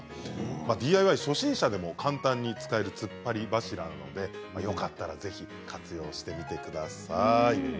ＤＩＹ初心者でも簡単に使えるつっぱり柱なのでよかったらぜひ活用してみてください。